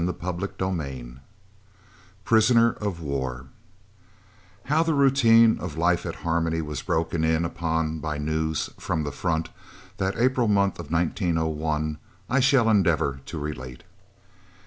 CHAPTER XI PRISONER OF WAR How the routine of life at Harmony was broken in upon by news "from the front" that April month in 1901, I shall endeavour to relate.